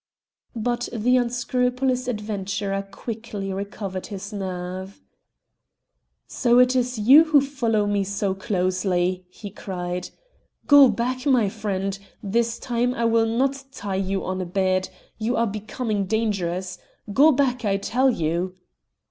But the unscrupulous adventurer quickly recovered his nerve. "So it is you who follow me so closely," he cried. "Go back, my friend. This time I will not tie you on a bed. You are becoming dangerous. Go back, I tell you!"